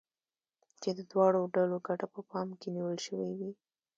چې د دواړو ډلو ګټه په پام کې نيول شوې وي.